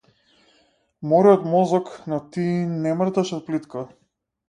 Море од мозок но ти не мрдаш од плитко.